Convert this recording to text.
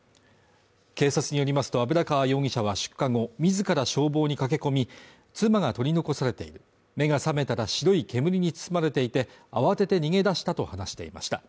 警察によりますと油川容疑者は出火後、自ら消防に駆け込み、妻が取り残されている目が覚めたら白い煙に包まれていて、慌てて逃げ出したと話していました。